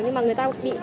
nhưng mà người ta cũng bị